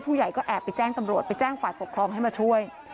ผู้ใหญ่ก็แอบไปแจ้งตำรวจไปแจ้งฝ่ายปกครองให้มาช่วย